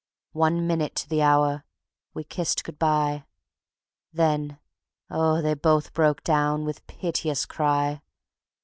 One minute to the hour ... we kissed good by, Then, oh, they both broke down, with piteous cry.